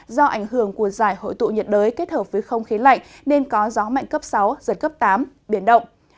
do ảnh hưởng của giải hội tụ nhiệt đới kết hợp với không khí lạnh nên có gió mạnh cấp sáu giật cấp tám biển động